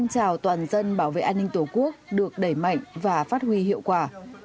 trung quốc được đẩy mạnh và phát huy hiệu quả